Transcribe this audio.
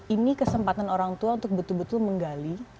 ini kesempatan orang tua untuk betul betul menggali